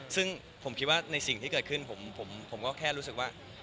ซึ่งผมคิดว่าในสิ่งที่เกิดขึ้นผมก็แค่รู้สึกว่า